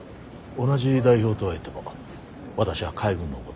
同じ代表とはいっても私は海軍のことは素人だ。